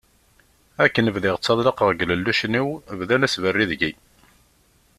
Akken bdiɣ ttaḍlaqeɣ i yilellucen-iw bdan asberri deg-i.